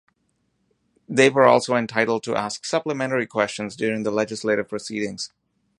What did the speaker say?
They were also entitled to ask supplementary questions during the legislative proceedings.